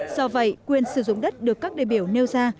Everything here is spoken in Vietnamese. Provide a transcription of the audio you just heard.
do vậy quyền sử dụng đất được các đề biểu nêu ra